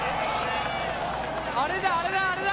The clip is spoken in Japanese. あれだあれだあれだ！